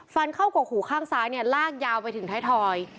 ฟันเข้ากกหูข้างซ้ายเนี่ยลากยาวไปถึงไทยทอย